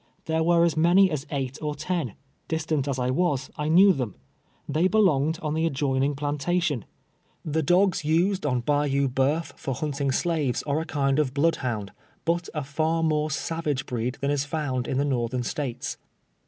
There were as many as eight or ten. Distant as I was, I knew them. They belonged on the adjoining i)hintati^>n. The dogs used on Bayou Ba'uf for hunting slaves are a kind of blood hound, but a far more savage breed than is found in the Northern States.